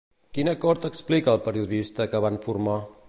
Quin acord explica el periodista que van formar?